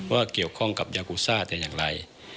ว่าเกี่ยวข้องกับยากูซ่าแต่อย่างไร